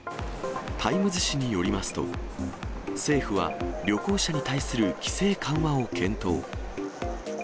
タイムズ紙によりますと、政府は旅行者に対する規制緩和を検討。